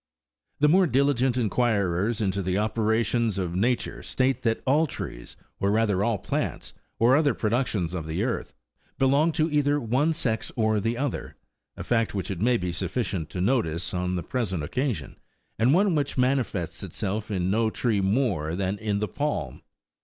The more diligent15 enquirers into the operations of Nature state that all trees, or rather all plants, and other productions of the earth, belong to either one sex or the other ; a fact which it may be sufficient to notice on the present occasion, and one which manifests itself in no tree more than in the palm.